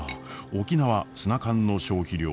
沖縄ツナ缶の消費量